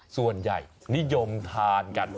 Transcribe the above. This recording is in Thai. ส่วนใหญ่นิยมทานกัน